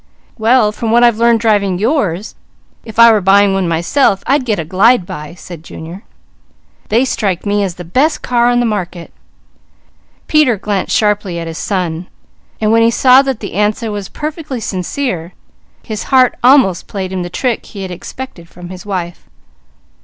"Well from what I've learned driving yours, if I were buying one myself, I'd get a Glide by," said Junior. "They strike me as the best car on the market." Peter glanced sharply at his son. When he saw that the answer was perfectly sincere, his heart almost played him the trick he had expected from his wife.